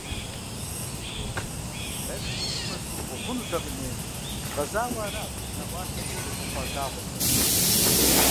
Дэнэми зыщӀыпӀэ сымыкӀуэу хъунутэкъыми, згъэзауэ арат нэӀуасэ сызыхуэхъуа лъагъуэмкӀэ.